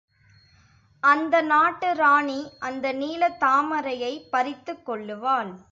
அந்த நாட்டு ராணி அந்த நீலத் தாமரையைப் பறித்துக்கொள்ளுவாள்.